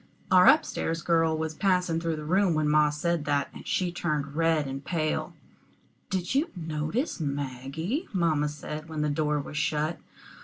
Our up stairs girl was passing through the room when ma said that, and she turned red and pale. "Did you notice Maggie?" mamma said, when the door was shut.